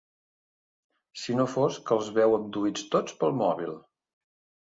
Si no fos que els veu abduïts tots pel mòbil.